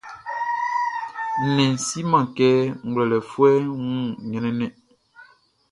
Nnɛnʼn siman kɛ ngwlɛlɛfuɛʼn wun ɲrɛnnɛn.